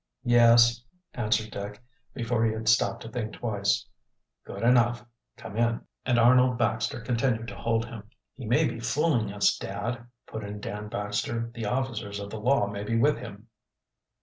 "Yes," answered Dick, before he had stopped to think twice. "Good enough. Come in," and Arnold Baxter continued to hold him. "He may be fooling us, dad," put in Dan Baxter. "The officers of the law may be with him."